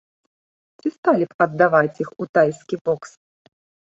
Ці сталі б аддаваць іх у тайскі бокс?